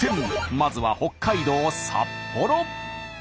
まずは北海道札幌。